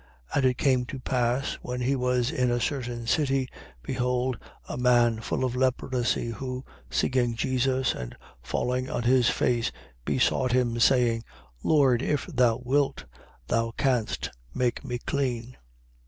5:12. And it came to pass, when he was in a certain city, behold a man full of leprosy who, seeing Jesus and falling on his face, besought him saying: Lord, if thou wilt, thou canst make me clean.